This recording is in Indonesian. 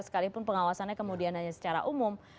sekalipun pengawasannya kemudian hanya secara umum